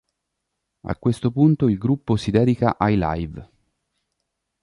A questo punto il gruppo si dedica ai live.